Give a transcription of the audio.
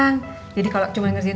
nah telurnya itu enam